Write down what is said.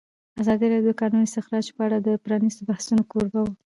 ازادي راډیو د د کانونو استخراج په اړه د پرانیستو بحثونو کوربه وه.